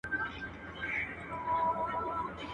په بد زوى هر وخت پلار ښکنځلی وي.